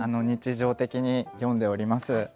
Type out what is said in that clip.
日常的に詠んでおります。